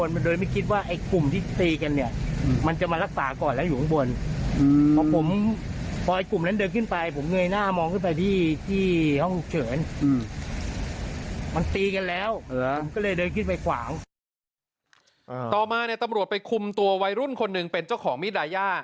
ต่อมาเนี่ยตำรวจไปคุมตัววัยรุ่นคนหนึ่งเป็นเจ้าของมิดายา